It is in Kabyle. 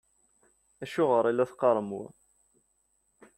Acuɣer i la teqqarem wa?